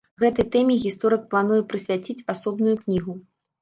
Гэтай тэме гісторык плануе прысвяціць асобную кнігу.